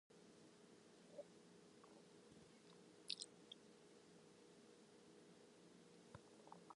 The castle became the main defense point of the nearby city of Barbastro.